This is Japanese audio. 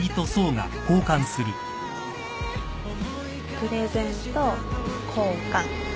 プレゼント交換。